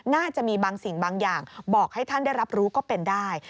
น่าจะมีบางสิ่งบางอย่างบอกให้ท่านได้รับรู้ก็เป็นได้